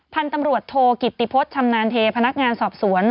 พันตำรวจโทรกิจติพชำนาณเทพนักงานสอบสวน